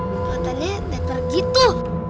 matanya leper gitu